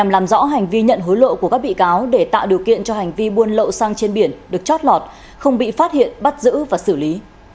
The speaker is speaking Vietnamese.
làm rõ hành vi nhận hối lộ của các bị cáo để tạo điều kiện cho hành vi buôn lậu xăng trên biển được chót lọt không bị phát hiện bắt giữ và xử lý